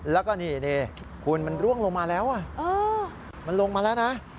แล้วก็นี่คุณมันร่วงลงมาแล้วมันลงมาแล้วนะ